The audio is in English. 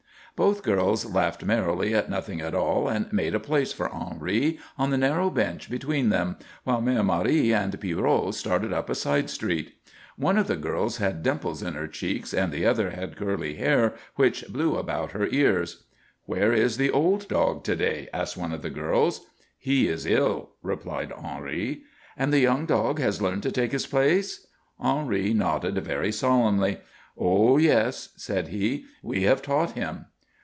Both girls laughed merrily at nothing at all and made a place for Henri on the narrow bench between them, while Mère Marie and Pierrot started up a side street. One of the girls had dimples in her cheeks and the other had curly hair which blew about her ears. "Where is the old dog to day?" asked one of the girls. "He is ill," replied Henri. "And the young dog has learned to take his place?" Henri nodded very solemnly. "Oh, yes," said he, "we have taught him."